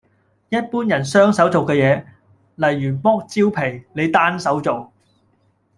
一般人雙手做嘅嘢，例如剝蕉皮，你單手做